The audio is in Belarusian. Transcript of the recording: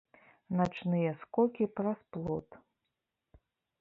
Начныя скокі праз плот.